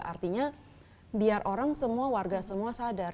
artinya biar orang semua warga semua sadar